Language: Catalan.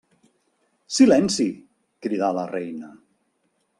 Silenci! —cridà la reina—.